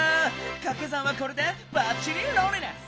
かけ算はこれでばっちりロンリネス！